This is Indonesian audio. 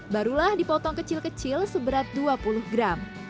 barulah dipotong kecil kecil seberat dua puluh gram